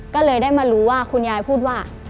ก็เลยได้มารู้ว่าคุณยายพูดว่า